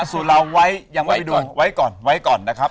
สูรเราไว้ยังไว้ไปดูไว้ก่อนนะครับ